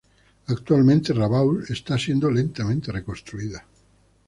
Actualmente Rabaul está siendo lentamente reconstruida.